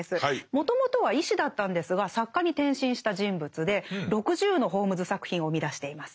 もともとは医師だったんですが作家に転身した人物で６０のホームズ作品を生み出しています。